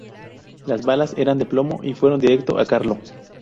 Las balas eran de plomo y fueron directo a Carlo.